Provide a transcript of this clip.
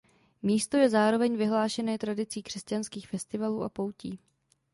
Místo je zároveň vyhlášené tradicí křesťanských festivalů a poutí.